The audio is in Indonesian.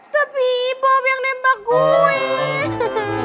tapi bom yang nembak gue